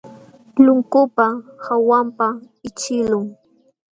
Lunkupa hawanpaq ićhiqlun.